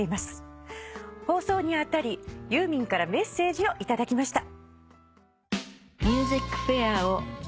放送にあたりユーミンからメッセージを頂きました。